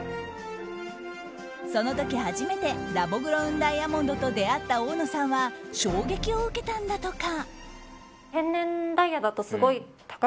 その時初めてラボグロウンダイヤモンドと出会った大野さんは衝撃を受けたんだとか。